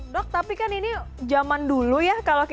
dok tapi kan ini zaman dulu ya